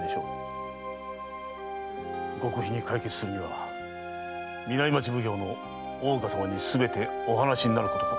極秘に解決するには南町奉行の大岡様にすべてお話になることかと。